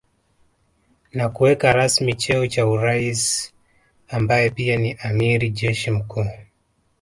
Na kuweka rasmi cheo cha uraisi ambaye pia ni amiri jeshi mkuu